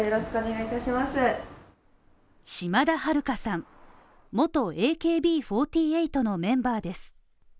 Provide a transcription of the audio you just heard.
島田晴香さん元ＡＫＢ４８のメンバーです。